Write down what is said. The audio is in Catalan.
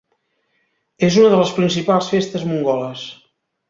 És una de les principals festes mongoles.